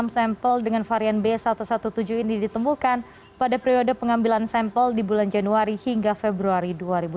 enam sampel dengan varian b satu satu tujuh ini ditemukan pada periode pengambilan sampel di bulan januari hingga februari dua ribu dua puluh